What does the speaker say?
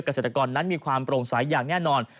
กระเศกตะกอนนั้นมีความโปร่งใสอย่างแน่นอน